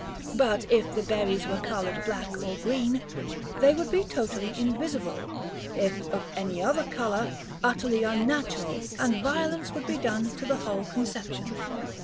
But if the berries were colored black or green, they would be totally invisible; if of any other color, utterly unnatural, and violence would be done to the whole conception.